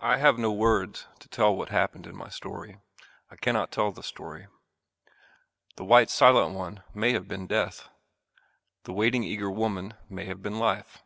I have no words to tell what happened in my story. I cannot tell the story. The white silent one may have been Death. The waiting eager woman may have been Life.